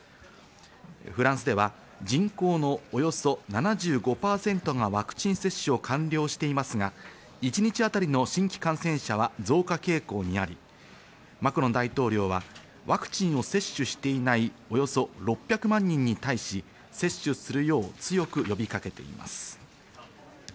フランスでは人口のおよそ７５％がワクチン接種を完了していますが、一日当たりの新規感染者は増加傾向にあり、マクロン大統領はワクチンを接種していないおよそ６００万人に対し、接種するよう強く呼びかけています。